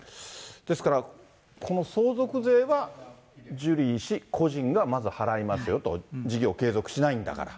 その相続税はジュリー氏個人がまずは払いますよと、事業を継続しないんだから。